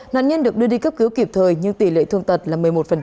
nạn nhân được đưa đi cấp cứu kịp thời nhưng tỷ lệ thương tật là một mươi một